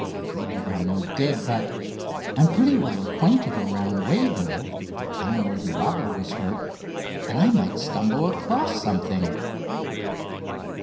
Maybe they're no good, but I'm pretty well acquainted around Wayville, the town where the robber was hurt, and I might stumble across something."